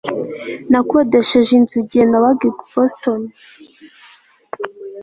Nakodesheje inzu igihe nabaga i Boston